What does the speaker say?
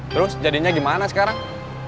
terus jadinya gimana sekarang